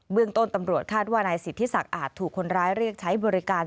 เรื่องต้นตำรวจคาดว่านายสิทธิศักดิ์อาจถูกคนร้ายเรียกใช้บริการ